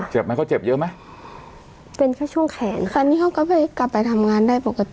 ไหมเขาเจ็บเยอะไหมเป็นแค่ช่วงแขนคราวนี้เขาก็ไปกลับไปทำงานได้ปกติ